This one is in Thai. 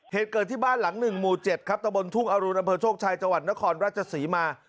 เหตุเกิดที่บ้านหลังหนึ่งหมู่๗ครับตะบนทุ่งอรุณะเผินโชคชัยจนครรัชศรีมา